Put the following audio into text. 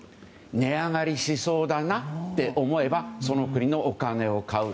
値上がりしそうだなと思えばその国のお金を買う。